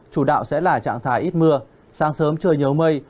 chủ đạo sẽ là trạng thái ít mưa sáng sớm trời nhớ mây